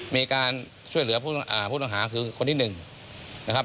มีการช่วยเหลือผู้ต้องหาคือคนที่๑นะครับ